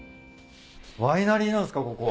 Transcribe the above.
ワイナリーなんすかここは。